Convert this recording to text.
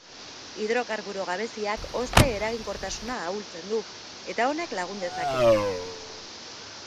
Hidrokarburo gabeziak hozte eraginkortasuna ahultzen du, eta honek lagun dezake.